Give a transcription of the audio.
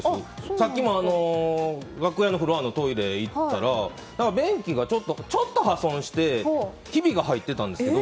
さっきも楽屋のフロアのトイレに行ったら便器がちょっと破損してひびが入っていたんです。